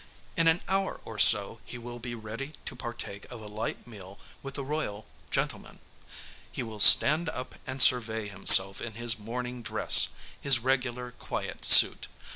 In an hour or so he will be ready to partake of a light meal with the royal gentleman. He will stand up and survey himself in his morning dress, his regular, quiet suit.